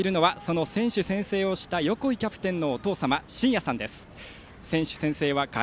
その選手宣誓をした横井キャプテンのお父様しんやさんです。